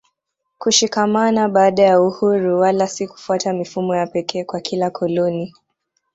kushikamana baada ya uhuru wala si kufuata mifumo ya pekee kwa kila koloni